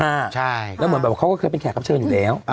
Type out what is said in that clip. แล้วเหมือนเขาก็เคยเป็นแขกครับเชิญอยู่แล้ว